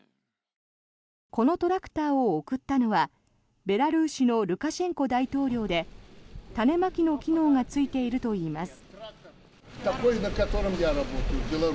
このトラクターを贈ったのはベラルーシのルカシェンコ大統領で種まきの機能がついているといいます。